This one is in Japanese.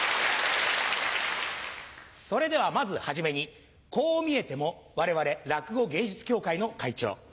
それではまず初めにこう見えても我々落語芸術協会の会長